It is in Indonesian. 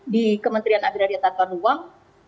di kementerian agraria tatwan luang